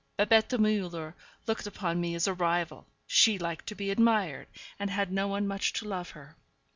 Babette Müller looked upon me as a rival. She liked to be admired, and had no one much to love her.